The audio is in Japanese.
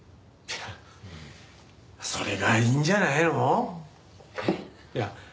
いやそれがいいんじゃないの？